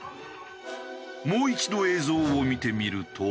もう一度映像を見てみると。